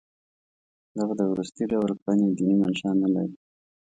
دغه د وروستي ډول کړنې دیني منشأ نه لري.